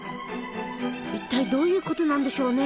一体どういう事なんでしょうね。